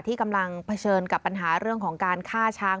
กำลังเผชิญกับปัญหาเรื่องของการฆ่าช้าง